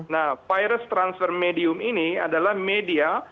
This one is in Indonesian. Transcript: nah virus transfer medium ini adalah media